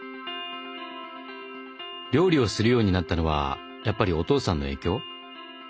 料理をするようになったのはやっぱりお父さんの影響？